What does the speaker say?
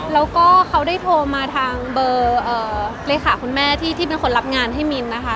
แล้วก็เขาได้โทรมาทางเบอร์เลขาคุณแม่ที่เป็นคนรับงานให้มินนะคะ